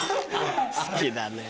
好きだねぇ。